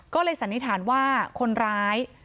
ก็เลยสันนิษฐานว่าคนร้าย